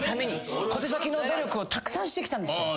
小手先の努力をたくさんしてきたんですよ。